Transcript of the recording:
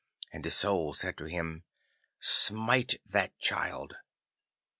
And his Soul said to him, 'Smite that child.